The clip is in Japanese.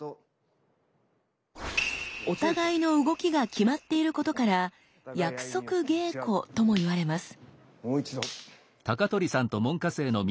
お互いの動きが決まっていることから「約束稽古」とも言われます。